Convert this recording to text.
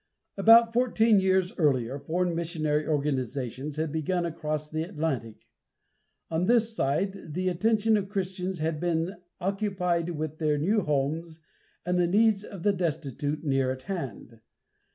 About fourteen years earlier foreign missionary organization had begun across the Atlantic. On this side, the attention of Christians had been occupied with their new homes and the needs of the destitute near at hand.